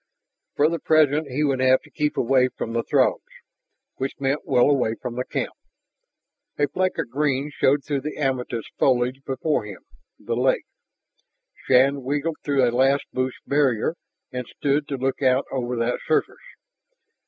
For the present, he would have to keep away from the Throgs, which meant well away from the camp. A fleck of green showed through the amethyst foliage before him the lake! Shann wriggled through a last bush barrier and stood to look out over that surface.